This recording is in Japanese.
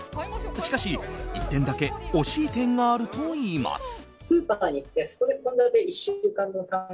しかし、１点だけ惜しい点があるといいます。